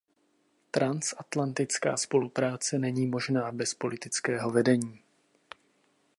Transatlantická spolupráce není možná bez politického vedení.